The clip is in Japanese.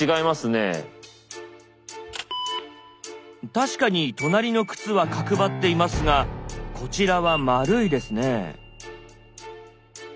確かに隣の靴は角張っていますがこちらは丸いですね。